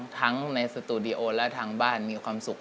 ทั้งในสตูดิโอและทางบ้านมีความสุข